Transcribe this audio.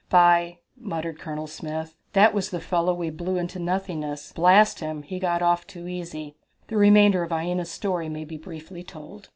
"By !" muttered Colonel Smith, "that was the fellow we blew into nothing! Blast him, he got off too easy!" The remainder of Aina's story may be briefly told.